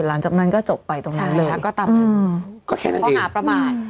หลังจากนั้นก็จบไปตรงนั้นเลยใช่ค่ะก็ตามอืมก็แค่นั้นเองหาประมาท